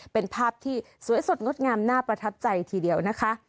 เป็นภาพที่สวยสดงดงามน่าประทับใจทีเดียวนะคะ